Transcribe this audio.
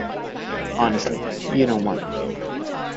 Honestly, you don't want me.